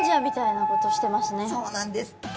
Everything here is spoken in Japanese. そうなんです。